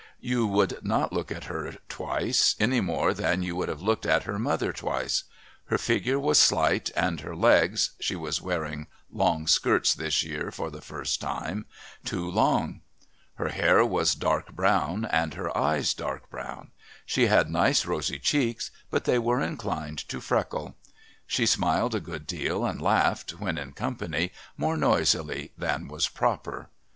You would not look at her twice any more than you would have looked at her mother twice. Her figure was slight and her legs (she was wearing long skirts this year for the first time) too long. Her hair was dark brown and her eyes dark brown. She had nice rosy cheeks, but they were inclined to freckle. She smiled a good deal and laughed, when in company, more noisily than was proper.